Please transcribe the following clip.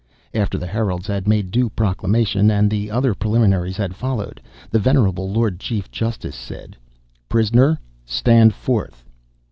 After the heralds had made due proclamation and the other preliminaries had followed, the venerable Lord Chief justice said: "Prisoner, stand forth!"